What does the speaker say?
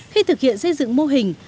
khi thực hiện xây dựng mô hình